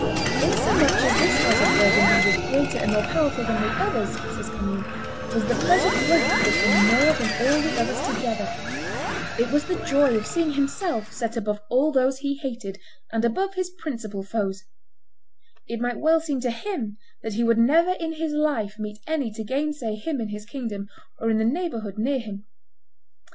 "Insomuch as this house of Burgundy was greater and more powerful than the others," says Commynes, "was the pleasure great for the king more than all the others together; it was the joy of seeing himself set above all those he hated, and above his principal foes; it might well seem to him that he would never in his life meet any to gainsay him in his kingdom, or in the neighborhood near him."